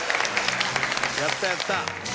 やったやった。